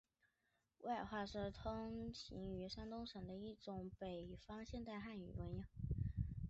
威海话是通行于山东省威海市及其附近地区的一种北方现代汉语方言。